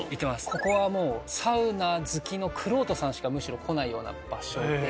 ここはもうサウナ好きの玄人さんしかむしろ来ないような場所で。